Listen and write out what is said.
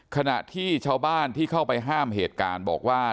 ขณะที่ชาวบ้านที่เข้าไปห้ามเหตุการณ์บอกว่า